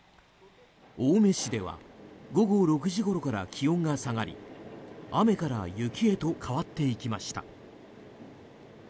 青梅市では午後６時ごろから気温が下がり雨から雪へと変わっていきました。